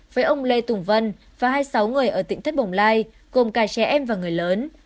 với ông lê tùng vân và hai mươi sáu người ở tỉnh thất bồng lai gồm cả trẻ em và người lớn